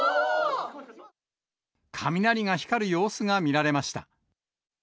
雷が光る様子が見られました。